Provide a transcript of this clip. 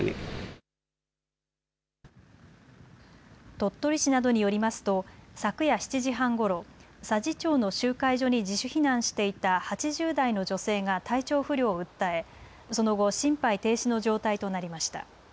鳥取市などによりますと昨夜７時半ごろ、佐治町の集会所に自主避難していた８０代の女性が体調不良を訴えその後、心肺停止の状態となりました。